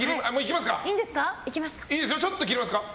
ちょっと切りますか？